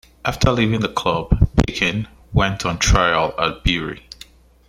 After leaving the club, Picken went on trial at Bury.